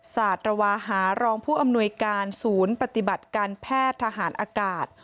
ศาสตรวาหารองผู้อำนวยการศูนย์ปฏิบัติการแพทย์ทหารอากาศ